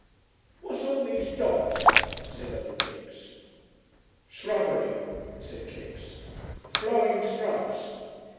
"What's all these dots?" said old Kipps. "S'rubbery," said Kipps. "Flow'ing s'rubs."